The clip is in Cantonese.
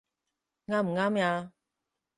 啱唔啱呀？